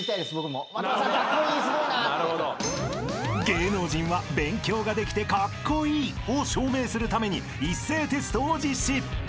［芸能人は勉強ができてカッコイイを証明するために一斉テストを実施］